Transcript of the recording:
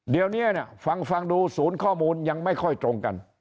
เดี๋ยวนี้ฟังดูศูนย์ข้อมูลยังไม่ค่อยตรงกัน